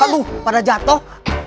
aduh pada jatuh